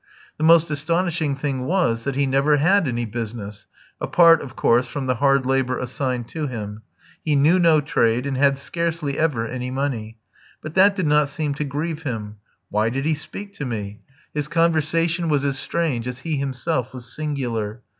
The most astonishing thing was that he never had any business apart, of course, from the hard labour assigned to him. He knew no trade, and had scarcely ever any money. But that did not seem to grieve him. Why did he speak to me? His conversation was as strange as he himself was singular.